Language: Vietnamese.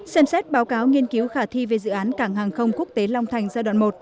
xem xét báo cáo nghiên cứu khả thi về dự án cảng hàng không quốc tế long thành giai đoạn một